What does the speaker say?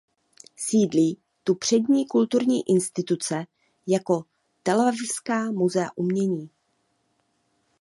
Sídlí tu přední kulturní instituce jako Telavivské muzeum umění.